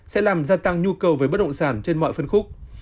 sẽ làm gia tăng nhu cầu về bất động sản trên mọi phân khúc